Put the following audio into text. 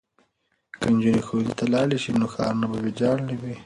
که نجونې ښوونځي ته لاړې شي نو ښارونه به ویجاړ نه وي.